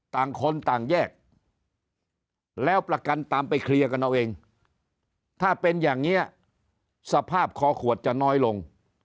ต่างคนต่างแยกแล้วประกันตามไปเคลียร์กันเอาเองถ้าเป็นอย่างนี้สภาพคอขวดจะน้อยลง